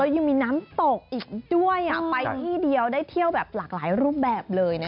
แล้วยังมีน้ำตกอีกด้วยได้เที่ยวหลากหลายรูปแบบเลย